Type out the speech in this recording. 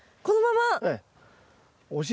このまま？